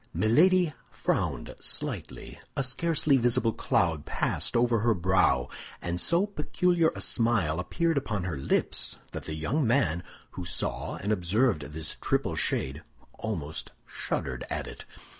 Milady frowned slightly; a scarcely visible cloud passed over her brow, and so peculiar a smile appeared upon her lips that the young man, who saw and observed this triple shade, almost shuddered at it.